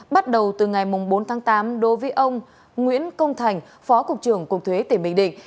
bắt đầu từ ngày bốn tháng tám đối với ông nguyễn công thành phó cục trưởng cục thuế tỉnh bình định